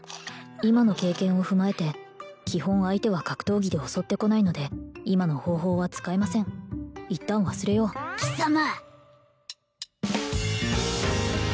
今の経験を踏まえて基本相手は格闘技で襲ってこないので今の方法は使えません一旦忘れよう貴様！